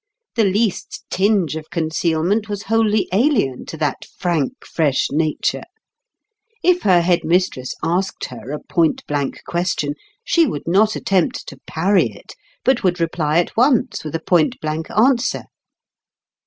The least tinge of concealment was wholly alien to that frank fresh nature. If her head mistress asked her a point blank question, she would not attempt to parry it, but would reply at once with a point blank answer.